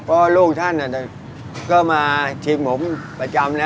เพราะลูกท่านก็มาชิมผมประจำนะ